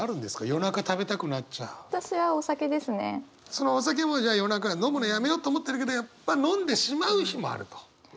そのお酒もじゃあ夜中飲むのやめようと思ってるけどやっぱ飲んでしまう日もあると。